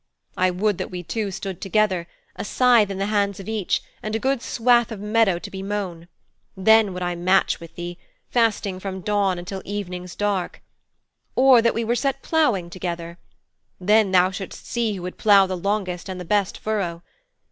I would that we two stood together, a scythe in the hands of each, and a good swath of meadow to be mown then would I match with thee, fasting from dawn until evening's dark. Or would that we were set ploughing together. Then thou shouldst see who would plough the longest and the best furrow!